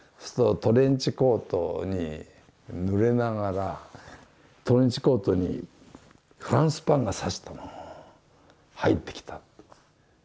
トレンチコートにぬれながらトレンチコートにフランスパンがさしたまま入ってきた。